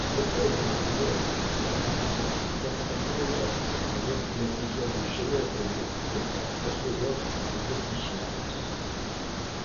Estocolmo acolleu na pasada sexta feira o último episodio xenófobo contra as persoas refuxiadas.